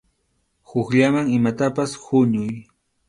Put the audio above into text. Hukllaman imatapas huñuy.